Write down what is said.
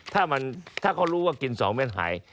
ถ้าเขารู้ว่ากิน๒เม็ดหาย